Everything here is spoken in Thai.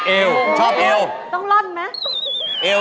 เอวชอบเอว